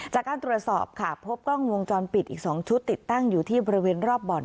จากการตรวจสอบค่ะพบกล้องวงจรปิดอีก๒ชุดติดตั้งอยู่ที่บริเวณรอบบ่อน